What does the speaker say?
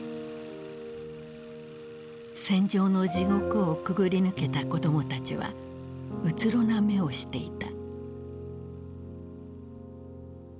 戦場の地獄をくぐり抜けた子供たちはうつろな目をしていた。